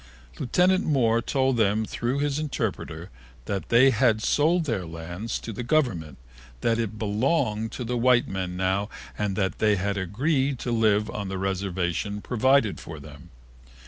Lieutenant Moore told them through his interpreter that they had sold their lands to the Government, that it belonged to the white men now and that they had agreed to live on the reservation provided for them.